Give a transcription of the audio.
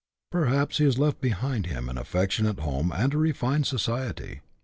Perhaps he has left behind him an affectionate home and a refined society.